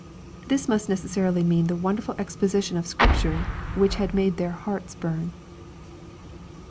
] Tliis must necessarily mean the wonderful exposition of Scrioture which had made their " hearts burn."